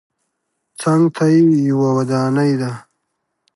څنګ ته یې یوه ودانۍ ده.